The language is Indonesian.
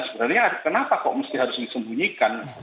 sebenarnya kenapa kok harus disembunyikan